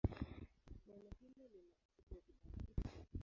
Neno hilo lina asili ya Kibantu.